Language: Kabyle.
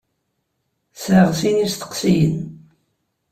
Sɛiɣ sin n yisseqsiyen.